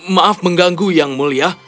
maaf mengganggu yang mulia